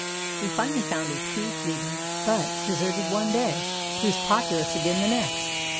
We finally found a true flea bane, but, deserted one day, he was populous again the next.